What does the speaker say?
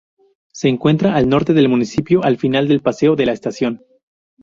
Se encuentra al norte del municipio, al final del paseo de la Estación.